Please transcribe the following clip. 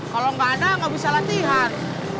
kalau enggak ada gak bisa latihan